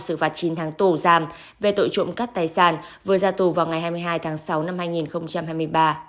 xử phạt chín tháng tù giam về tội trộm cắt tài sản vừa ra tù vào ngày hai mươi hai tháng sáu năm hai nghìn hai mươi ba